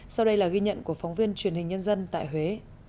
sau đây là ghi nhận của phóng viên truyền hình nhân dân tại huế